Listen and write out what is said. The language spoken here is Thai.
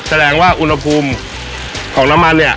แสดงว่าอุณหภูมิของน้ำมันเนี่ย